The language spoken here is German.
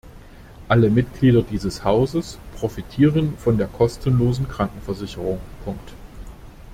Alle Mitglieder dieses Hauses profitieren von der kostenlosen Krankenversicherung.